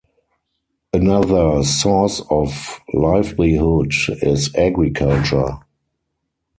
Another source of livelihood is agriculture.